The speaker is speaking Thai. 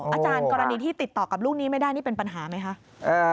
อาจารย์กรณีที่ติดต่อกับลูกนี้ไม่ได้นี่เป็นปัญหาไหมคะ